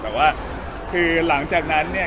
แต่ว่าคือหลังจากนั้นเนี่ย